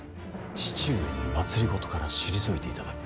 父上に政から退いていただく。